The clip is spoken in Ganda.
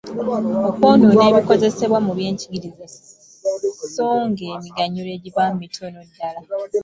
Okwonoona ebikozesebwa mu by’enjigiriza sso ng’emiganyulo egivaamu mitono ddala.